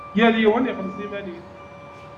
Yal yiwen ixelleṣ iman-is.